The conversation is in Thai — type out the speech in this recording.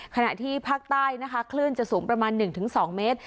ขณะที่ภาคใต้นะคะคลื่นจะสูงประมาณหนึ่งถึงสองเมตร